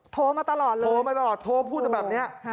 โทรมาตลอดเลยโทรมาตลอดโทรพูดแบบนี้